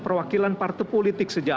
perwakilan partai politik sejak